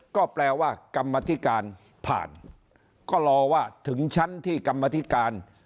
ก็แปลว่ากรรมธิการผ่านก็รอว่าถึงชั้นที่กรรมธิการ